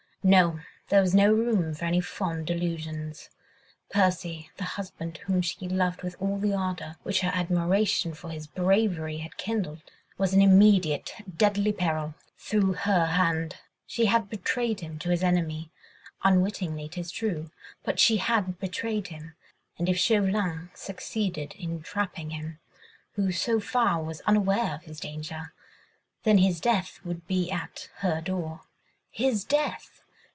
No! there was no room for any fond delusions! Percy, the husband whom she loved with all the ardour which her admiration for his bravery had kindled, was in immediate, deadly peril, through her hand. She had betrayed him to his enemy—unwittingly 'tis true—but she had betrayed him, and if Chauvelin succeeded in trapping him, who so far was unaware of his danger, then his death would be at her door. His death!